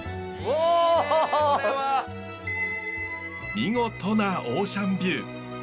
見事なオーシャンビュー。